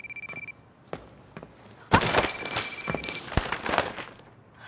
あっ！